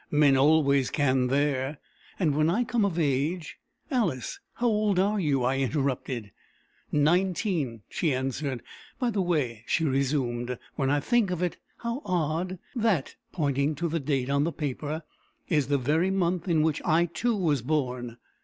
Men always can there. And when I come of age " "Alice, how old are you?" I interrupted. "Nineteen," she answered. "By the way," she resumed, "when I think of it how odd! that" pointing to the date on the paper "is the very month in which I too was born."